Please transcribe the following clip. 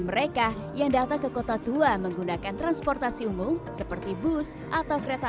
mereka yang datang ke kota tua menggunakan transportasi umum seperti bus atau kereta